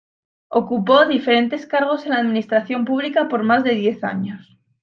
Ocupó diferentes cargos en la administración pública por más de diez años.